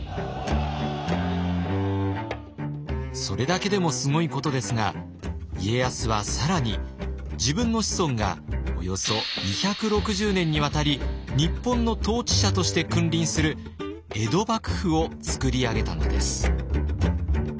それだけでもすごいことですが家康は更に自分の子孫がおよそ２６０年にわたり日本の統治者として君臨する江戸幕府を作り上げたのです。